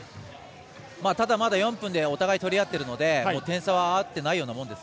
まだ４分でお互い取り合ってるので点差はあってないようなもんです。